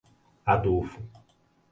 Adolfo